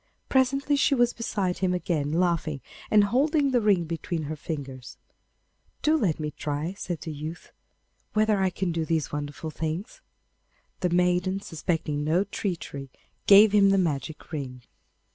Presently she was beside him again laughing, and holding the ring between her fingers. 'Do let me try,' said the youth, 'whether I can do these wonderful things.' The maiden, suspecting no treachery, gave him the magic ring.